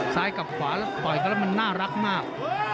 ซ้ายกับขวาแล้วต่อยกันแล้วมันน่ารักมาก